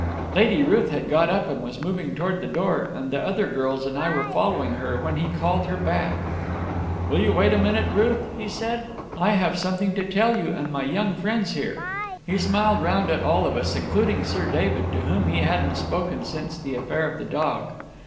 "Lady Ruth had got up, and was moving towards the door, and the other girls and I were following her, when he called her back. 'Will you wait a minute, Ruth,' he said. 'I have something to tell you and my young friends here.' He smiled round at all of us, including Sir David, to whom he hadn't spoken since the affair of the dog.